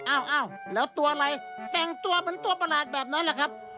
อ้าวแล้วตัวอะไรแต่งตัวเหมือนตัวประหลาดแบบนั้นแหละครับ